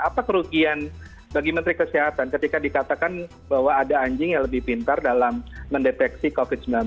apa kerugian bagi menteri kesehatan ketika dikatakan bahwa ada anjing yang lebih pintar dalam mendeteksi covid sembilan belas